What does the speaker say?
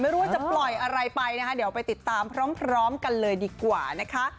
ไม่รู้ว่าจะปล่อยอะไรไปนะคะเดี๋ยวไปติดตามพร้อมกันเลยดีกว่านะคะ